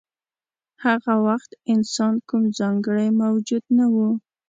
هغه وخت انسان کوم ځانګړی موجود نه و.